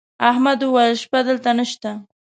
احمد وويل: شپه دلته نشته.